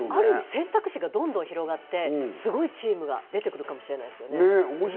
選択肢が広がってすごいチームが出てくるかもしれないですね。